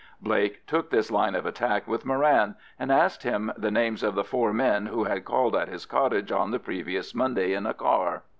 Blake took this line of attack with Moran, and asked him the names of the four men who had called at his cottage on the previous Monday in a car.